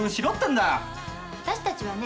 私たちはね